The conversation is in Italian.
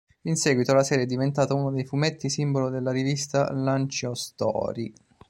In seguito, la serie è diventata uno dei fumetti simbolo della rivista Lanciostory.